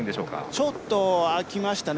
ちょっと開きましたね。